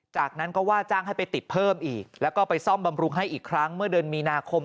จากนั้นก็ว่าจ้างให้ไปติดเพิ่มอีกแล้วก็ไปซ่อมบำรุงให้อีกครั้งเมื่อเดือนมีนาคม